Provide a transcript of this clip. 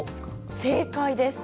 正解です。